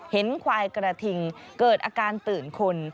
เห็นควายกระทิงเกิดอาการตื่นคน